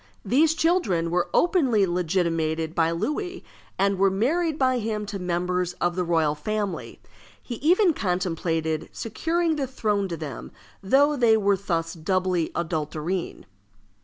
These children were openly legitimated by Louis, and were married by him to members of the royal family. He even contemplated securing the throne to them, though they were thus doubly adulterine.